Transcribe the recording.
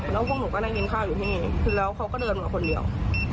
แล้วพวกหนูก็นั่งกินข้าวอยู่ที่นี่แล้วเขาก็เดินมาคนเดียว